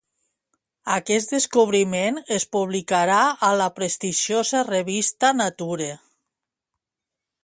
Aquest descobriment es publicarà a la prestigiosa revista Nature.